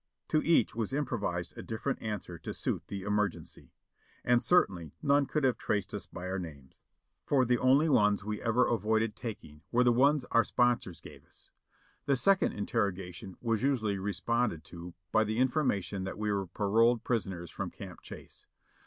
To each was improvised a different answer to suit the emer gency ; and certainly none could have traced us by the names, for the only ones we ever avoided taking were the ones our sponsors gave us. The second interrogation was usually responded to by the in formation that we were paroled prisoners from Camp Chase.